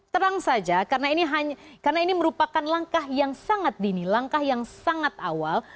terang saja karena ini merupakan langkah yang sangat dini langkah yang sangat awal